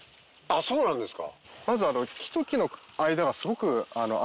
そうなんですか。